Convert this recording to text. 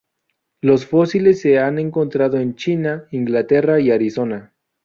Los fósiles se han encontrados en China, Inglaterra y Arizona.